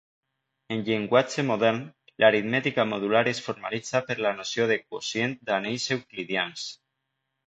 En llenguatge modern, l'aritmètica modular es formalitza per la noció de quocient d'anells euclidians.